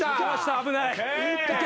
危ない。